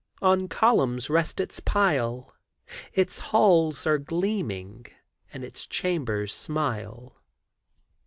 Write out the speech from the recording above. On columns rest its pile; Its halls are gleaming And its chambers smile."